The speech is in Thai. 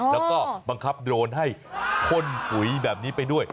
แล้วก็บังคับโดรนให้พ่นปุ๋ยแบบนี้ไปด้วย